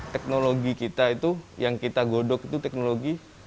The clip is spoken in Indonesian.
teknologi kita itu yang kita godok itu teknologi